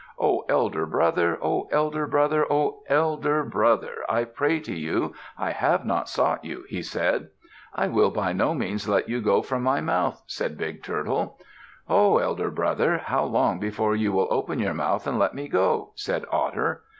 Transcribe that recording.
"O elder brother! O elder brother! O elder brother! I pray to you. I have not sought you," he said. "I will by no means let you go from my mouth," said Big Turtle. "Ho! elder brother! How long before you will open your mouth and let me go?" said Otter.